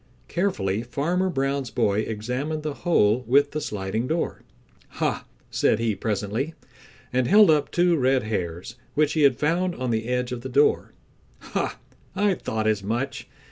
Carefully Farmer Brown's boy examined the hole with the sliding door. "Ha!" said he presently, and held up two red hairs which he had found on the edge of the door. "Ha! I thought as much.